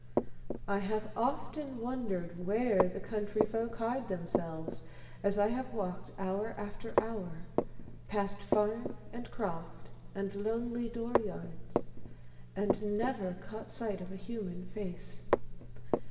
I have often wondered where the countryfolk hide themselves, as I have walked hour after hour, past farm and croft and lonely door yards, and never caught sight of a human face.